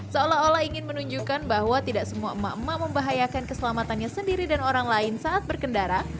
seolah olah ingin menunjukkan bahwa tidak semua emak emak membahayakan keselamatannya sendiri dan orang lain saat berkendara